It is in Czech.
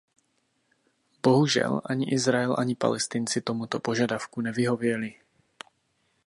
Bohužel ani Izrael, ani Palestinci tomuto požadavku nevyhověli.